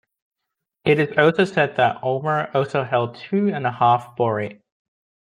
It is also said that Ulmer also held two and a half borate.